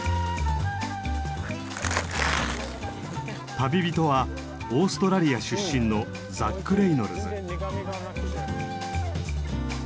旅人はオーストラリア出身のザック・レイノルズ。